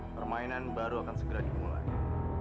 permainan baru akan segera dimulai